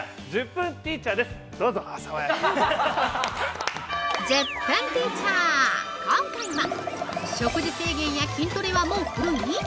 ◆１０分ティーチャー、今回は食事制限や筋トレはもう古い！？